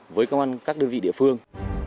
với các đơn vị địa phương